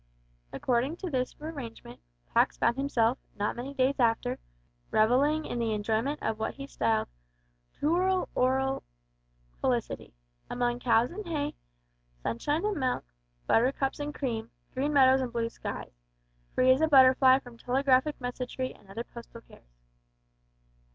According to this arrangement, Pax found himself, not many days after, revelling in the enjoyment of what he styled "tooral ooral" felicity among cows and hay, sunshine and milk, buttercups and cream, green meadows and blue skies, free as a butterfly from telegraphic messagery and other postal cares.